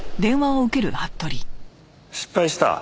失敗した？